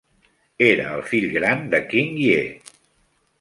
Era el fill gran de King Hye.